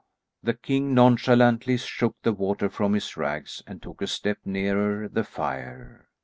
The king nonchalantly shook the water from his rags and took a step nearer the fire.